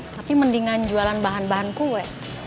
tapi mendingan jualan bahan bahan kue